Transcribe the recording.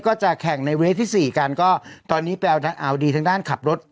ก็จะแข่งในเวทที่สี่กันก็ตอนนี้ไปเอาดีทางด้านขับรถ